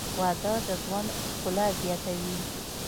• واده د ژوند ښکلا زیاتوي.